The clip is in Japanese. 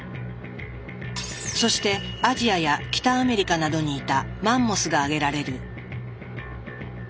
そしてアジアや北アメリカなどにいたマンモスが挙げられる。